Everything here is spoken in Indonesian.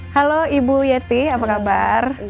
halo ibu yeti apa kabar